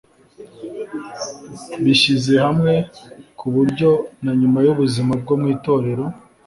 bishyize hamwe ku buryo na nyuma y'ubuzima bwo mu itorero